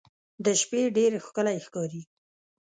د شپې ډېر ښکلی ښکاري.